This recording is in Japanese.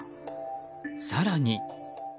更に。